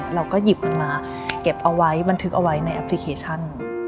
เราก็หยิบมันมาเก็บเอาไว้บันทึกเอาไว้ในแอปพลิเคชัน